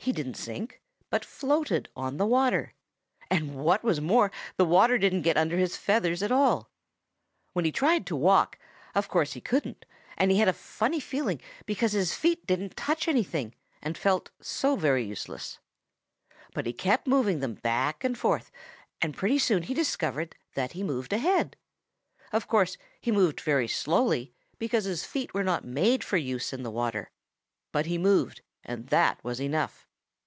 He didn't sink, but floated on the water, and what was more the water didn't get under his feathers at all. When he tried to walk, of course he couldn't, and he had a funny feeling because his feet didn't touch anything and felt so very useless. But he kept moving them back and forth, and pretty soon he discovered that he moved ahead. Of course he moved very slowly, because his feet were not made for use in the water, but he moved, and that was enough.